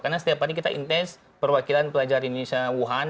karena setiap hari kita intens perwakilan pelajar indonesia wuhan